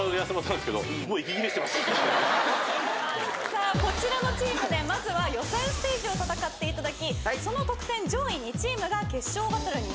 さあこちらのチームでまずは予選ステージを戦っていただきその得点上位２チームが決勝バトルに進出。